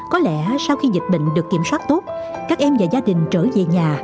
có lẽ sau khi dịch bệnh được kiểm soát tốt các em và gia đình trở về nhà